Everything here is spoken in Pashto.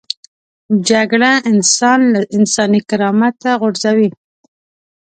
جګړه انسان له انساني کرامت غورځوي